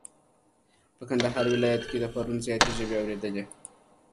په کندهار ولايت کي پرون زياته ژبی اوريدلې.